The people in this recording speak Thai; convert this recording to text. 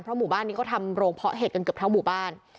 หมู่บ้านนี้เขาทำโรงเพาะเห็ดกันเกือบทั้งหมู่บ้าน